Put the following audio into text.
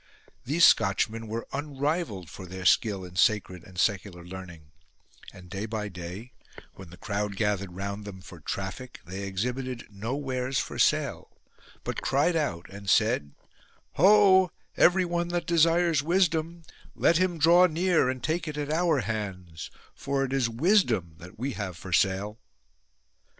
These Scotchmen were unrivalled for their skill in sacred and secular learning : and day by day, when the crowd gathered round them for traffic, they ex hibited no wares for sale, but cried out and said, 59 WISDOM FOR SALE " Ho, everyone that desires wisdom, let him draw near and take it at our hands ; for it is wisdom that we have for sale."